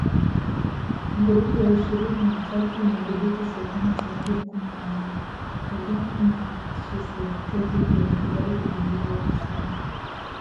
Vuguvugu ya Ishirini na tatu Imedhibiti sehemu zaidi ya kumi na nne, Kagame na Tshisekedi wamekubali kupunguza uhasama